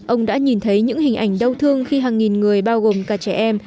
ông đã nhìn thấy những hình ảnh đau thương khi hàng nghìn người bao gồm cả trẻ em